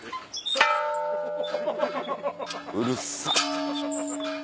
うるさっ。